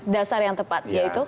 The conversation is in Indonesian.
dasar yang tepat yaitu